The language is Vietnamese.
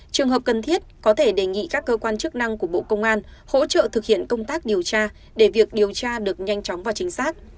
trường hợp cần thiết có thể đề nghị các cơ quan chức năng của bộ công an hỗ trợ thực hiện công tác điều tra để việc điều tra được nhanh chóng và chính xác